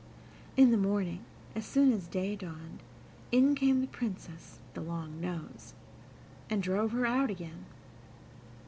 In the morning, as soon as day dawned, in came the Princess with the long nose, and drove her out again.